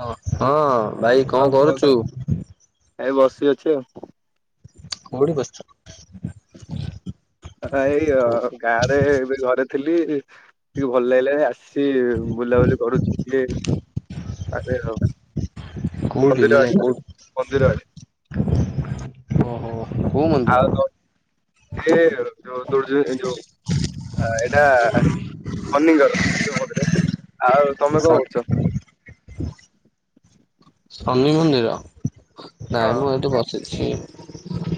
ହଁ ହଁ ଭାଇ କଣ କରୁଛୁ। ଏଇ ବସି ଅଛି ଆଉ। କୋଉଠି ବସିଛ। ଏଇ ଗାଁ ରେ ଏବେ ଘରେ ଥିଲି ଟିକେ ଭଲ ଲାଗିଲାଣି ଆସି। ସିଏ ବୁଲାବୁଲି କରୁଛି ଟିକେ ଆ ଯେ ରହୁ। ମନ୍ଦିର ଆଡେ ମନ୍ଦିର ଆଡେ। ଓ ହୋ। ଆଉ ଦ ଏ ଯଉ ଦୌଡି ଏ ଯଉ ଏ। ଏଟା ଶନିଙ୍କ ଗଛ ଶନିଙ୍କ କତିରେ ଆଉ ତମେ କଣ କରୁଛ। ଶନି ମନ୍ଦିର ନାଇଁ ହଁ ମୁଁ ଏଠି ବସିଛି। ସେଠି।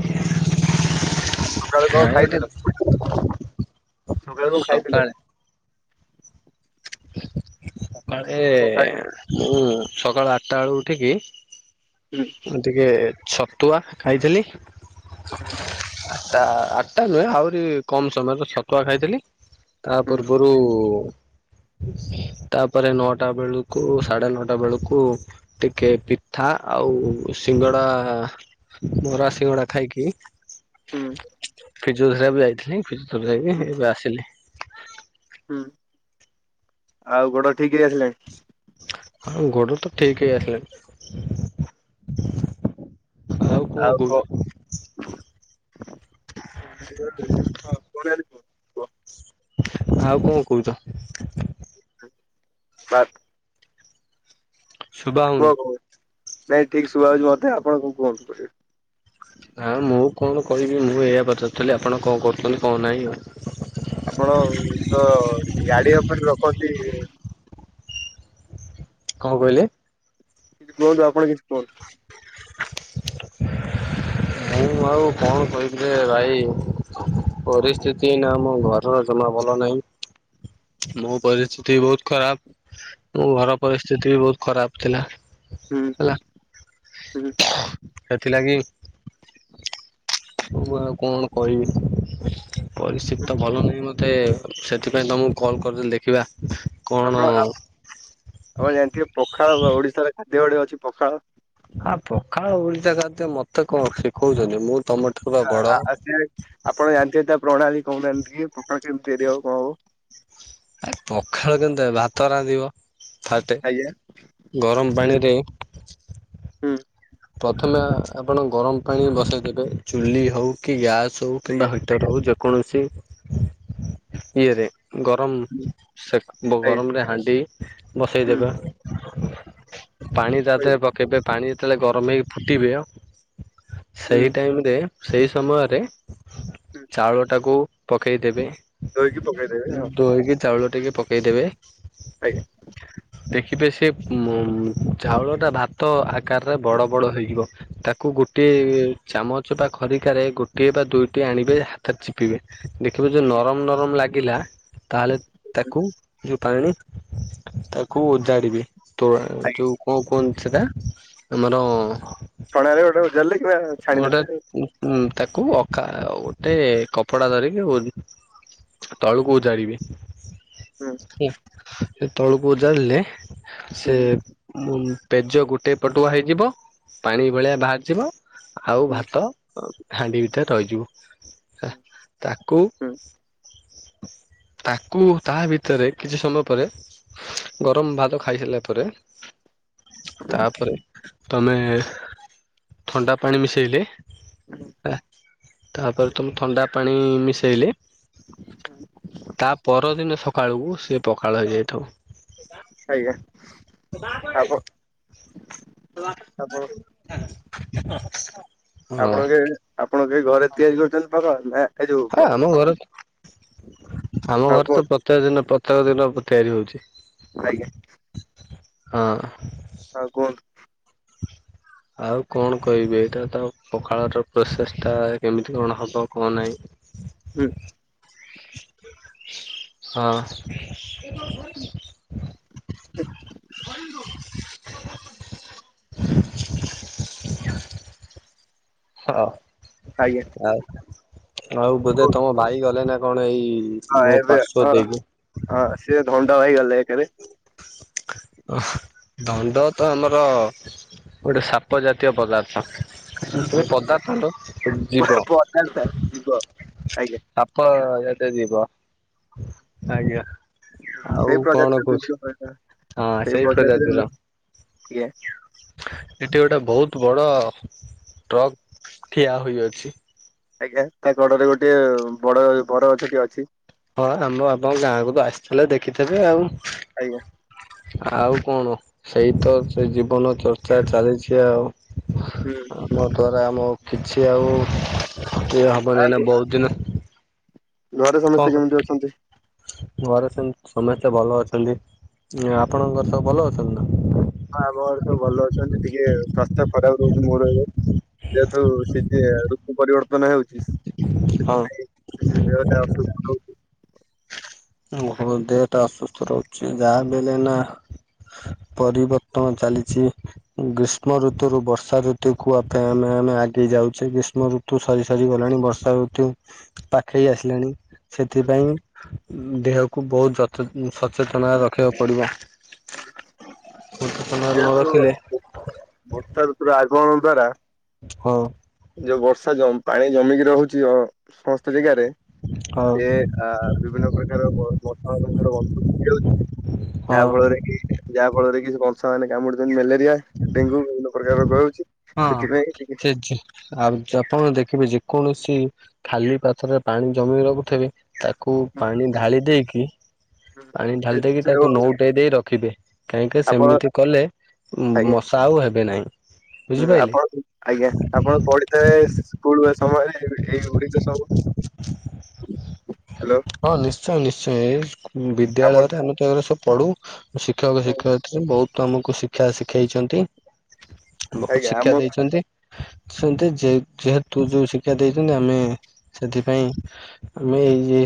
[inaudible] ସକାଳୁ କଣ ଖାଇଥିଲ ସକାଳୁ କଣ ଖାଇଥିଲ। ସକାଳେ ସକାଳେ କଣ ଖାଇଥିଲ? ମୁଁ ସକାଳ ଆଠଟା ବେଳୁକୁ ଉଠିକି। ହୁଁ। ଟିକେ ଛତୁଆ ଖାଇଥିଲି। [unintelligible] ତା ଆଠଟା ନୁହେଁ ଆହୁରି କମ ସମୟରେ ଛତୁଆ ଖାଇଥିଲି ତା ହୁଁ ପୂର୍ବରୁ ତାପରେ ନଅଟା ବେଳୁକୁ ସାଢେ ନଅଟା ବେଳୁକୁ। ଟିକେ ପିଠା ଆଉ ସିଙ୍ଗଡ଼ା ବରା ଶିଙ୍ଗଡ଼ା ଖାଇକି ହୁଁ ଫିଜୁରେ ବି ଯାଇଥିଲି ଫିଜୁ ଯି ହୁଁ ଏବେ ଆସିଲି [unintelligible] ହୁଁ ଆଉ ଗଡ଼ ଠିକ ହେଇ ଆସିଲାଣି ହଁ ଗୋଡ଼ ତ ଠିକ ହେଇ ଆସିଲାଣି ଆଉ କଣ କହୁଛ [unintelligible] ହଁ ପଣ କୁ [unintelligible] ଆଉ କଣ କହୁଛ ବାତ ଶୁଭା ହଉନି କୁହ କୁହ ନାଇଁ ଠିକ ଶୁଭା ଯାଉଛି ମତେ ଆପଣ କଣ କୁହନ୍ତୁ କରିବେ ହଁ ମୁଁ କଣ କହିବି ମୁଁ ଏଇଆ ପଚାରୁଥିଲି ଆପଣ କଣ କରୁଛନ୍ତି କଣ ନାହିଁ ଆଉ ଆପଣ ତ ଗାଡିଆ ଉପରେ ରଖନ୍ତି କଣ କହିଲେ କିଛି କୁହନ୍ତୁ ଆପଣ କିଛି କୁହନ୍ତୁ [inaudible] ମୁଁ ଆଉ କଣ କହିବି ରେ ଭାଇ ପରିସ୍ଥିତି ଏଇନା ଆମ ଘରର ଜମା ଭଲ ନାହିଁ ମୋ ପରିସ୍ଥିତି ବହୁତ ଖରାପ ମୋ ଘର ପରିସ୍ଥିତି ବି ବହୁତ ଖରାପ ଥିଲା ହୁଁ ହେଲା ହୁଁ ସେଥିଲାଗି ତ ମୁଁ ଆଉ କଣ କହିବି ପରିସ୍ଥିତି ତ ଭଲ ନାହିଁ ମୋତେ ସେଥିପାଇଁ ତମକୁ କଲ୍ କରିଦେଲି ଦେଖିବା କଣ ଆପଣ ଆପଣ ଜାଣିଥିବେ ପଖାଳ ଓଡିଶାର ଖାଦ୍ୟ ଗଟେ ଅଛି ପଖାଳ ହଁ ପଖାଳ ଓଡ଼ିଶା ଖାଦ୍ୟ ମତେ କଣ ଶିଖଉଛନ୍ତି ମୁଁ ତମଠାରୁ ବା ବଡ। ସେ ଆପଣ ଜାଣିଥିବେ ତା ପ୍ରଣାଳୀ କହୁନାହାନ୍ତି ଟିକେ ପଖାଳ କେମିତି ତିଆରି ହବ କଣ ହବ ଆ ପଖାଳ କେମିତି ଭାତ ରାନ୍ଧିବ ଫାଷ୍ଟ ଆଜ୍ଞା ଗରମ ହୁଁ ଆଜ୍ଞା ପାଣିରେ ପ୍ରଥମେ ଆପଣ ଗରମ ପାଣି ବସେଇ ଦେବେ ଚୁଲି ହଉ କି ଗ୍ୟାସ୍ ହଉ କିମ୍ବା ହଟର ହେଉ ଯେକୌଣସି ଇଏରେ ଗରମ ସେ ଆଜ୍ଞା ଗରମରେ ହାଣ୍ଡି ବସେଇ ହୁଁ ଦେବେ ପାଣି ତା ହୁଁ ଦେହରେ ପକେଇବେ ପାଣି ଯେତେବେଳେ ଗରମ ହେଇକି ଫୁଟିବେ ସେଇ ହୁଁ। ଟାଇମ ରେ ସେଇ ସମୟରେ ଚାଉଳ ଟାକୁ ପକେଇଦେବେ ଧୋଇକି ପକେଇଦେବେ ହଁ ଧୋଇକି ଚାଉଳ ଟିକେ ପକେଇଦେବେ ଆଜ୍ଞା ଦେଖିବେ ସେ ଉ ଚାଉଳ ଟା ଭାତ ଆକାରରେ ବଡ ବଡ ହେଇଯିବ ତାକୁ ଗୋଟିଏ ଚାମଚ ବା ଖରିକାରେ ଗୋଟିଏ ବା ଦୁଇଟି ଆଣିବେ ହାତରେ ଚିପିବେ ଦେଖିବ ଯୋଉ ନରମ ନରମ ଲାଗିଲା ତାହେଲେ ତାକୁ ଯେଉଁ ପାଣି ତାକୁ ଓଜାଡ଼ିବେ ତ ଆଜ୍ଞା ଯୋଉ କଣ କୁହନ୍ତି ସେଟା ଆମର ପ୍ରଣାରେ [unintelligible] ଜାଲେ କିବା ଗୋଟେ ଉ ତାକୁ ଅଖା ଗୋଟେ କପଡା ଧରିକି ତଳକୁ ଓ ଜାଡିବେ ହୁଁ ସେ ତଳକୁ ଓ ଯାଡ଼ିଲେ ସେ ହୁଁ ମୁ ପେଜ ଗୋଟେ ପଟୁଆ ହେଇଯିବ, ପାଣି ଭଳିଆ ବାହାରିଯିବ, ଆଉ ହୁଁ ଭାତ ହାଣ୍ଡି ବିିଟା ରହିଯିବ, ତାକୁ ହୁଁ ତାକୁ, ତା ଭିତରେ, କିଛି ସମୟ ପରେ ଗରମ ଭାତ ଖାଇସାରିଲା ପରେ, ତାପରେ ତମେ ଥଣ୍ଡା ପାଣି ମିଶାଇଲେ, ତାପରେ ତମେ ଥଣ୍ଡା ପାଣି ମିଶାଇଲେ ତା ପରଦିନ ସକାଳକୁ, ସିଏ ପକାଳ ହେଇଯାଇଥବ। ଆଜ୍ଞା, ଆପ, ଆପଣ [unintelligible] ଆପଣ କେ, ଆପଣ କେହି ଘରେ ତିଆରି କରିଚନ୍ତି ପଖାଳ ନା ଏ ଯୋଉ ହଁ, ଆମ ଆପଣ ଘରେ, ଆମ ହଁ ଘରେ ତ ପ୍ର କୁହନ୍ତୁ ପ୍ରତ୍ୟକ ଦିନ, ପ୍ରତ୍ୟେକ ଦିନ ତିଆରି ହଉଚି। ଆଜ୍ଞା। ହଁ। ଆଉ କୁହନ୍ତୁ? ଆଉ କଣ କହିବି, ଏଇଟା ତ ପଖାଳର ପ୍ରୋସେସ୍ ଟା କେମିତି କଣ ହେବ, କଣ ନାହିଁ? ହୁଁ। ହଁ। [unintelligible] କରନ୍ତୁ। [unintelligible] ହଁ, ଆଜ୍ଞା ଆଉ, ଆଉ ବୋଧେ କୁହନ୍ତୁ ତମ ଭାଇ ଗଲେ ନା କଣ ଏଇ ହଁ ମୋ ଏବେ ପାର୍ଶ୍ୱ ହଁ ଦେଇକି। ହଁ, ସିଏ ଧଣ୍ଡ ହେଇଗଲେ ଏକରେ। ଅ, ଧଣ୍ଡ ତ ଆମର ଗୋଟେ ସାପ ଜାତୀୟ ପଦାର୍ଥ। ସେ ଆଜ୍ଞା ପଦାର୍ଥ ନୁହୁଁ ଜୀବ। ପ୍ରଜାତା ଜୀବ ଆଜ୍ଞା ହଁ, [unintelligible] ହଁ ସେଇ ପ୍ରଜାତିରେ [unintelligible] ହଁ ସେଇ ପ୍ରଜାତିରେ ପ୍ରଜାତିର ଆଜ୍ଞା। ଏଠି ଗୋଟେ ବହୁତ ବଡ଼ ଟ୍ରକ୍ ଠିଆ ହୋଇଅଛି। ଆଜ୍ଞା, ତା କଡରେ ଗୋଟିଏ ବଡ ବରଗଛଟିଏ ଅଛି। ହଁ ଆମ ଆପ ଗାଁକୁ ତ ଆସିଥିଲେ, ଦେଖିଥିବେ ଆଉ। ଆଜ୍ଞା। ଆଉ କଣ ସେଇ ତ, ସେ ଜୀବନ ଚର୍ଚ୍ଚା ଚାଲିଛି ଆଉ। ହୁଁ ମୋ ଦ୍ୱାରା ଆମ କିଛି ଆଉ ଇଏ ହୁଁ। ହେବନହିଁ ଆଉ ନା, ଘ- ବହୁତ ଦିନ ଘରେ କଣ ସମସ୍ତେ କ କେମିତି ଅଛନ୍ତି? ଘରେ ସେମ ସମସ୍ତେ ଭଲ ଅଛନ୍ତି, ଆପଣଙ୍କର ସବୁ ଭଲ ଅଛନ୍ତି ନା? ହଁ, ଆମ ଘରେ ସବୁ ଭଲ ଅଛନ୍ତି, ଟିକେ ସ୍ୱାସ୍ଥ୍ୟ ଖରାପ ରହୁଛି ମୋର ଏବେ। ଯେହେତୁ [unintelligible] ଋତୁ ପରିବର୍ତ୍ତନ ହେଉଛି ନା? ସେଥିପାଇଁ ଏବେ ଟିକେ ଦେହଟା ଅସୁସ୍ଥ ରହୁଚି। ଭୋ ଦେହ ଟା ଅସୁସ୍ଥ ରହୁଛି, ଯାହା ବି ହେ ଲେ ନା ହୁଁ, ପରିବର୍ତ୍ତନ ଚାଲିଚି, ହୁଁ, ଗ୍ରୀଷ୍ମ ଋତୁ ରୁ ବର୍ଷା ଋତୁ, ଋତୁକୁୁ ଆପେ ଆମେ ଆମେ ଆଗେଇ ଯାଉଚେ, ଗ୍ରୀଷ୍ମ ଋତୁ ସରି ହୁଁ, ସରିଗଲାଣି, ବର୍ଷା ଋତୁ ପାଖେଇ ହୁଁ, ଆସିଲାଣି, ହୁଁ, ସେଥିପାଇଁ ଦେହକୁ ବହୁତ ଯ ସଚେତନ ହୁଁ, ରଖିବାକୁ ପଡ଼ିବ। ହୁଁ। [unintelligible] ରଖିଲେ ଯେହେତୁ ବର୍ଷା ଋତୁର ଆଗମନ ଦ୍ଵାରା ହଁ। ଯୋଉ ବର୍ଷା ଜ ପାଣି ଜମିକି ରହୁଚି ହଁ ସମସ୍ତ ଜେଗାରେ ହଁ ଏ ଆ ବିଭିନ୍ନ ପ୍ରକାର ମଶା ମାନଙ୍କର ବଂଶ ବୃଦ୍ଧି ହଉଚି ହଁ ଯାହା ଫଳରେ କି ଯାହା ଫଳରେ କି ମଶା ମାନେ କାମୁଡୁଛନ୍ତି ମ୍ୟାଲେରିଆ ଡେଙ୍ଗୁ ବିଭିନ୍ନ ପ୍ରକାର ରୋଗ ହେଉଚି ହଁ ସେ ଯେ ଆଉ ଆପଣ ଦେଖିବେ ଯେ କୌଣସି ଖାଲି ପାତ୍ର ରେ ପାଣି ଜମି ରଖୁଥିବେ ତାକୁ ପାଣି ଢାଳି ଦେଇକି ପାଣି ସେ ଢାଲି ଦେଇକି ତାକୁ ଜିନିଷଟାକୁ ନଉଟେଇ ଦେଇ ରଖିବେ କାହିଁକି ଆପଣ ସେମିତି କଲେ ଆଜ୍ଞା ମଶା ଆଉ ହେବେ ନାହିଁ। ହୁଁ ବୁଝିପାରିଲେ ଆପଣ ଆଜ୍ଞା ଆପଣ ପଢିଥିବେ ସ୍କୁଲ ସମୟରେ ଏଇଗୁଡିକ ସବୁ ହ୍ୟାଲୋ। ହଁ ନିଶ୍ଚୟ ନିଶ୍ଚୟ ଏ ସ୍କୁ ଆପଣ ବିଦ୍ୟାଳୟରେ ଆମେ ତ ଏ ସବୁ ପଢୁ ଶିକ୍ଷକ ଶିକ୍ଷୟ ବହୁତ ଆମକୁ ଶିକ୍ଷା ଶିଖେଇଛନ୍ତି ବହୁତ ଆଜ୍ଞା ଶିକ୍ଷା ଆମ ଦେଇଚନ୍ତି ସେ ଯେହେତୁ ଯୋଉ ଶିକ୍ଷା ଦେଇଛନ୍ତି ଆମେ ସେଥିପାଇଁ ଆମେ ଏଇ ଯେ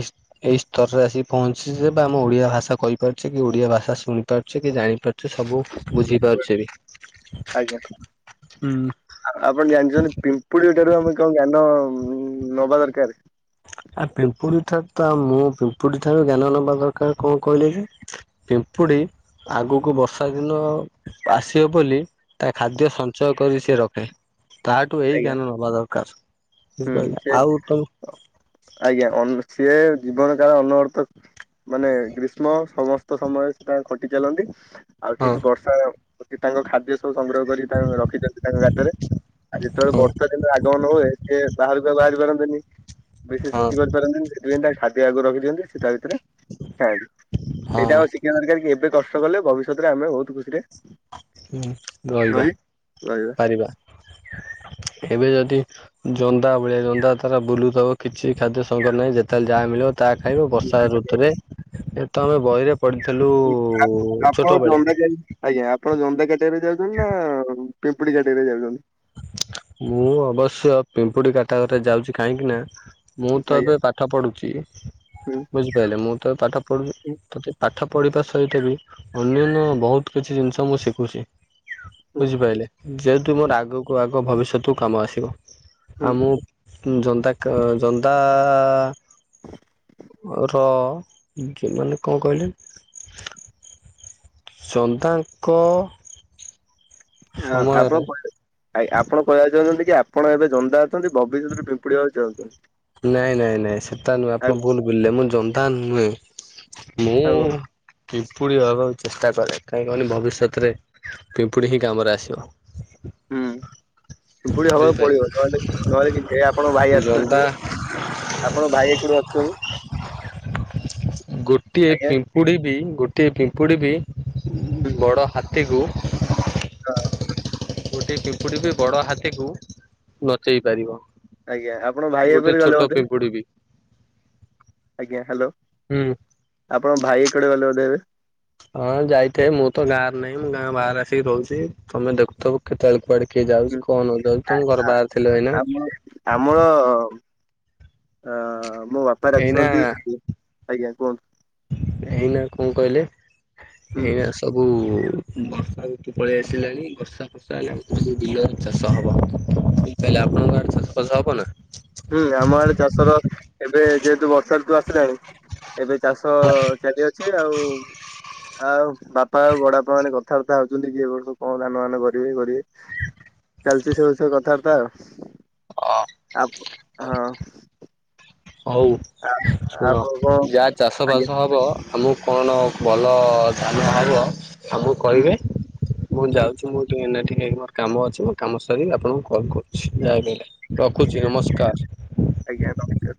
ଏଇ ସ୍ତରରେ ଆସିି ପହଞ୍ଚିଚେ ଯେ ବା ଆମେ ଓଡିଆ ଭାଷା କହିପାରୁଛେ କି ଓଡିଆ ଭାଷା ଶୁଣିପାରୁଚେ କି ଜାଣିପାରୁ ଏ ସବୁ [unintelligible] ବୁଝିପାରୁଛେ ବି। ଆଜ୍ଞା। ଆପଣ ଜାଣିଛନ୍ତି ପିମ୍ପୁଡିଠାରୁ ଆମେ କଣ ଜ୍ଞାନ ନବା ଦରକାର? ଆ ପିମ୍ପୁଡ଼ିଠା ତ ମୁଁ ପିମ୍ପୁଡି ଠାରୁ ଜ୍ଞାନ ନେବା ଦରକାର କଣ କହିଲେ ଯେ ପିମ୍ପୁଡ଼ି ଆଗକୁ ବର୍ଷା ଦିନ ଆସିବ ବୋଲି ତା ଖାଦ୍ୟ ସଞ୍ଚୟ କରି ସିଏ ରଖେ। ତାଠୁ ଏଇ ଆଜ୍ଞା ଜ୍ଞାନ ନବା ଦରକାର ହୁଁ ବୁଝିପାରିଲେ ସେ ଆଉ ତ ଆଜ୍ଞା ସିଏ ଜୀବନ କାଳ ଅନବର୍ତ ମାନେ ଗ୍ରୀଷ୍ମ ସମସ୍ତ ସମୟରେ ସେ ତାଙ୍କ ଖଟି ଚାଲନ୍ତି ଆଉ ହଁ ଠିକ ବର୍ଷା ଅଛି ତାଙ୍କ ଖାଦ୍ୟ ସବୁ ସଂଗ୍ରହ କର ତାଙ୍କ ରଖିଥାନ୍ତି ତାଙ୍କ ଗାତରେ ଆ ଯେତେବେଳେ ହଁ ବର୍ଷା ଦିନ ଆଗମନ ହୁଏ ସେ ବାହାରୁକୁ ବାହାରି ପାରନ୍ତିନି ବିଶେଷ ହଁ କିଛି କରିପାରନ୍ତିନି ଖାଦ୍ୟ ଆଗରୁ ରଖିଅନ୍ତି ସେ ତା ଭିତରେ ଥାଆନ୍ତି ସେଇଟା ହଁ ଆଉ ସି ଖୀବା ଦରକାର କି ଏବେ କଷ୍ଟ କଲେ ଭବିଷ୍ୟତରେ ଆମେ ବହୁତ ଖୁସିରେ ହୁଁ ରହିବା ରହି ରହିବା। ପାରିବା। ଏବେ ଯଦି ଜନ୍ଦା ଭଳିଆ ଜନ୍ଦା ତାରା ବୁଲୁଥିବ କିଛି ଖାଦ୍ୟ ସଂଗ୍ରହ ନାହିଁ ଯେତେବେଳେ ଯାହା ମିଳିବ ତାହା ଖାଇବ ବର୍ଷା ଋତୁରେ ଏତ ଆମ ବହିରେ ପଢ଼ିଥିଲୁ ଉ ଆପ- ଉ ଆପଣ ଛୋଟ ବେଳେ। ଜନ୍ଦା କା ଆଜ୍ଞା ଆପଣ ଜନ୍ଦା କାଟାଗୋରି ରେ ଯାଉଛନ୍ତି ନା ପିମ୍ପୁଡି କାଟାଗୋରିରେ ଯାଉଛନ୍ତି? ମୁଁ ଅବଶ୍ୟ ପିମ୍ପୁଡି କାଟାଗୋରୀରେ ଯାଉଚି କାହିଁକି ନା ମୁଁ ତ ଆଜ୍ଞା ଏବେ ପାଠ ପଢୁଚି ହୁଁ ବୁଝିପାରିଲେ ମୁଁ ତ ଏବେ ପାଠ ହୁଁ ପଢୁଚି ପାଠ ପଢ଼ିବା ସହିତ ବି ଅନ୍ୟାନ୍ୟ ବହୁତ କିଛି ଜିନିଷ ମୁଁ ଶିଖୁଚି ହୁଁ ବୁଝିପାଇଲେ। ଯେହେତୁ ମୋର ଆଗକୁ ଆଗ ଭବିଷ୍ୟତକୁ କାମ ଆସିବ ଆଉ ହୁଁ ମୁଁ ଜନ୍ଦା କା ଜନ୍ଦା ଆ ଆ ର ନିଜେ ନହେଲେ କଣ କହିଲେ ଜନ୍ଦା ଙ୍କ ଆଉ ଆପଣ ଆପଣ କହିବାକୁ ଚାହୁଛନ୍ତି କି ଆପଣ ଏବେ ଜନ୍ଦା ଅଛନ୍ତି ଭବିଷ୍ୟତ ରେ ପିମ୍ପୁିଡି ହେବାକୁ ଚାହୁଁଚନ୍ତି। ନାଇଁ, ନାଇଁ, ନାଇଁ, ସେଟା ନୁହେଁ, ଆପଣ ଭୁଲ ବୁଲିଲେ, ମୁଁ ଜନ୍ଦା ନୁହେଁ। ହବ ମୁଁ ପିମ୍ପୁଡ଼ି ହବାକୁ ଚେଷ୍ଟା କରେ, କାହିଁ କନି ଭବିଷ୍ୟତରେ ପିମ୍ପୁଡ଼ି ହିଁ କାମରେ ଆସିବ। ହୁଁ, ପିମ୍ପୁଡ଼ି ହବାକୁ ପଡିବ, ବୁଝିପାରିଲେ ନହେଲେ ନହେଲେ ହେଇ ଆପଣଙ୍କ ଭାଇ ଜନ୍ଦା ଆସୁଛନ୍ତି। ଆପଣ ଭାଇ ଏ କୋଉଠୁ ଅଛନ୍ତି। ଗୋଟିଏ ଆଜ୍ଞା ପିମ୍ପୁଡ଼ି ବି ଗୋଟିଏ ପିମ୍ପୁଡ଼ି ବି। ବଡ଼ ହାତୀକୁ ଗୋଟେ ପିମ୍ପୁଡ଼ି ବି ବଡ ହାତୀକୁ ନଚେଇ ପାରିବ। ଆଜ୍ଞା ଆପଣଙ୍କ ଭାଇ ଗୋଟେ ଏପରି ଗଲେ ଛୋଟ ବୋଧେ ପିମ୍ପୁଡି ବି। ଆଜ୍ଞା, ହ୍ୟାଲୋ। ହୁଁ। ଆପଣ ଭାଇ କୁଆଡେ ଗଲେ ବୋଧେ ଏବେ। ହଁ, ଯାଇଥାଏ। ମୁଁ ତ ଗାଁରେ ନାହିଁ, ମୁଁ ଗାଁ ବାହାରେ ଆସିକି ରହୁଛି, ତମେ ଦେଖୁଥିବ କେତେବେଳେ କୁଆଡେ କିଏ ହୁଁ, ଯାଉଛି, [inaudible] ତମ ଘର ବାହାର ଥିଲ ଏଇନା? ଆମ ଆମର ଅ, ମୋ ବାପା ଏଇନା ଡାକୁଛନ୍ତି। [inaudible] ଆଜ୍ଞା, କୁହନ୍ତୁ। ଏଇନା, କଣ କହିଲେ ହୁଁ। ଏଇନା ସବୁ? ବର୍ଷା [inaudible] ପଳେଇ ଆସିଲାଣି, ବର୍ଷା ଆଇଲାଣି, ବିଲରେ ଚାଷ ହବ, [inaudible] ଆପଣଙ୍କ ଆ ଚାଷ ଫାଷ ହବ ନା? ହୁଁ, ଆମ ଆଡେ ଚାଷର ଏବେ ଯେହେତୁ ବ ଋତୁ ଆସିଲେଣି, ଆଉ ଏବେ ଚାଷ ଚାଲି ଅଛି ଆଉ। ଆଉ ବାପା ଆଉ ବଡ ବାପା ମାନେ କଥାବାର୍ତ୍ତା ହଉଛନ୍ତି, କିଏ [inaudible] କଣ ଧାନ ମାନ କରିବୁ କରିବୁ। ଚାଲିଛି ସେ ବିଷୟ କଥାବାର୍ତ୍ତା ଆଉ। [inaudible] [inaudible] ହଉ ଆ ଶୁଣ, ଆପଣ କଣ ଯାହା ଚାଷ ଆଜ୍ଞା ବାସ ହବ। ଆମକୁ କଣ ଭଲ ଧାନ ହେବ ଆମକୁ ହୁଁ କହିବେ? ମୁଁ ହୁଁ ଯାଉଛି, ମୁଁ ଟିକେ [inaudible] ମୋର କାମ ଅଛି, କାମ ସରିିକି ଆପଣଙ୍କୁ କଲ୍ କରୁଛି। [inaudible] ଠିକ ରଖୁଛି ନମସ୍କାର। ଆଜ୍ଞା। [inaudible]